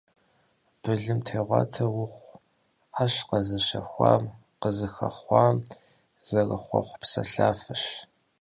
Былымтегъуатэ ухъу - Ӏэщ къэзыщэхуам, къызыхэхъуам зэрехъуэхъу псэлъафэщ.